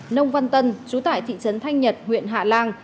nông văn tân chú tại thị trấn thanh nhật huyện hạ lan